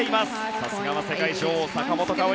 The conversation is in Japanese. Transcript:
さすがの世界女王・坂本花織